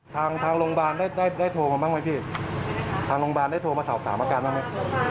ทางลงบาลได้โทรมาบ้างไหมพี่